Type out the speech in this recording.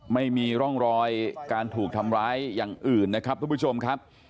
ไม่มีร่องรอยการถูกทำร้ายอย่างอื่นนะครับทุกผู้ชมครับ